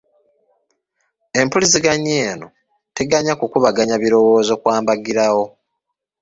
Empuliziganya eno teganya kukubaganya birowoozo kwa mbagirawo.